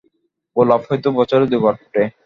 গোলাপ হয়তো বছরে দুবার ফোটে।